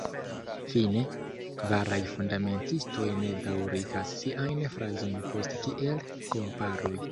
Fine, veraj fundamentistoj ne daŭrigas siajn frazojn post kiel-komparoj.